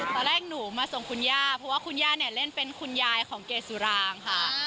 ตอนแรกหนูมาส่งคุณย่าเพราะว่าคุณย่าเนี่ยเล่นเป็นคุณยายของเกดสุรางค่ะ